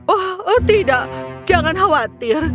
oh tidak jangan khawatir